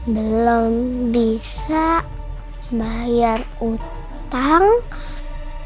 belum bisa bayar utang